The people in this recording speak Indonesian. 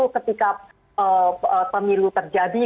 ketika pemilu terjadi